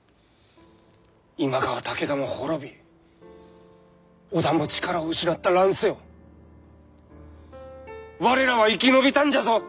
今川武田も滅び織田も力を失った乱世を我らは生き延びたんじゃぞ！